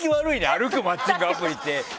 歩くマッチングアプリって。